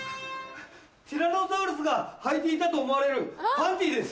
ティラノサウルスがはいていたと思われるパンティーです。